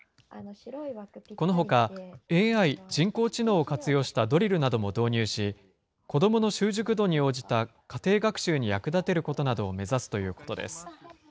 このほか、ＡＩ・人工知能を活用したドリルなども活用し、子どもの習熟度に応じた家庭学習に役立てることなどを目指すということです。